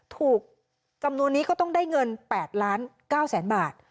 จำนวนนี้ก็ต้องได้เงิน๘ล้าน๙แสนบาท